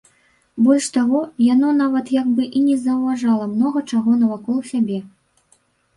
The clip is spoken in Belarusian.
Больш таго, яно нават як бы і не заўважала многа чаго навокал сябе.